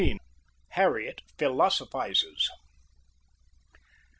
HARRIET PHILOSOPHIZES.